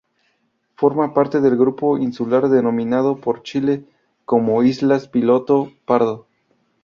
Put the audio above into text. Forma parte del grupo insular denominado por Chile como islas Piloto Pardo.